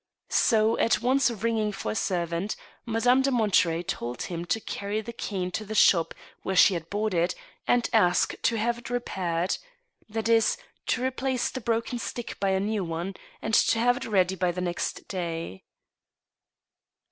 So, at once ringing for a servant, Madame de Monterey told him to carry the cane to the shop where she had bought it, and ask to have it repaired — that is, to replace the broken stick by a new one, and to have it ready by the next day.